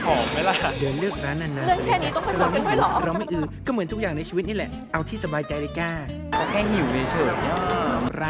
ก็มึงเลือกเยอะแต่มึงกินตลอดมันจะผอมไหมละ